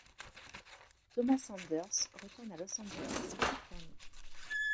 Thomas Anders retourne à Los Angeles, Californie.